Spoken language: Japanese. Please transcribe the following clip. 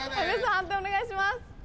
判定お願いします。